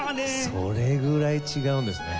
それぐらい違うんですね。